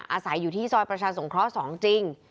อาศัยอยู่ที่ซอยประชาสงเคราะห์๒จริง